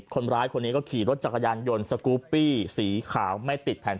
คนร้ายคนนี้ก็ขี่รถจักรยานยนต์สกูปปี้สีขาวไม่ติดแผ่น